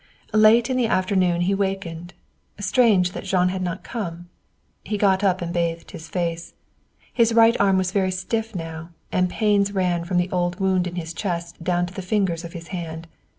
Late in the afternoon he wakened. Strange that Jean had not come. He got up and bathed his face. His right arm was very stiff now, and pains ran from the old wound in his chest down to the fingers of his hand.